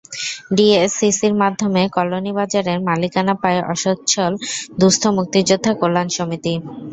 ডিএসসিসির মাধ্যমে কলোনি বাজারের মালিকানা পায় অসচ্ছল দুস্থ মুক্তিযোদ্ধা কল্যাণ সমিতি।